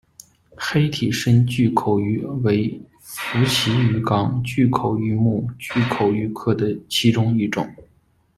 黑体深巨口鱼为辐鳍鱼纲巨口鱼目巨口鱼科的其中一种。